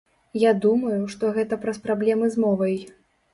Я думаю, што гэта праз праблемы з мовай.